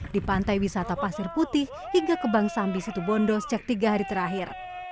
di pantai wisata pasir putih hingga kebangsambi situ bondo sejak tiga hari terakhir